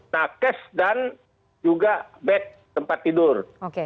nah cash dan juga bed tempat tidur